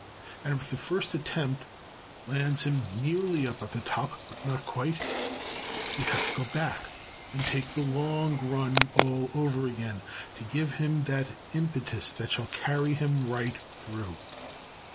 And if the first attempt lands him nearly up at the top but not #quite#, he has to go back and take the long run all over again, to give him the impetus that shall carry him right through.